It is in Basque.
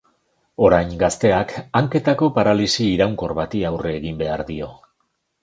Orain, gazteak hanketako paralisi iraunkor bati aurre egin behar dio.